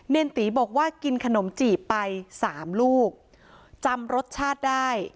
เนรตีบอกว่ากินขนมจีบไปสามลูกจำรสชาติได้